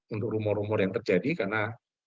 untuk rumor rumor yang terjadi karena